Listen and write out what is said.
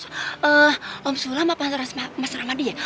eh om sulam apa mas rahmadi ya